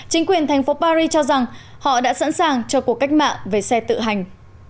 chính quyền thành phố paris cho rằng họ đã sẵn sàng cho cuộc cách mạng về xe tự hành